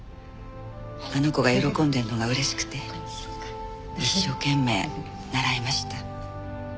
あの子が喜んでるのが嬉しくて一生懸命習いました。